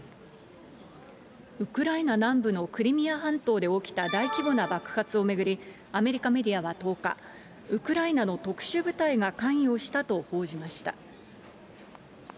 ウクライナ南部のクリミア半島で起きた大規模な爆発を巡り、アメリカメディアは１０日、ウクライナの特殊部隊が関与したと報じました。